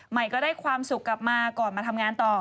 ใหม่ก็ได้ความสุขกลับมาก่อนมาทำงานต่อ